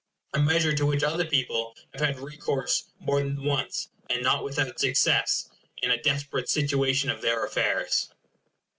a measure to which other people have had recourse more than once, and not without success, in a desperate situation of their affairs.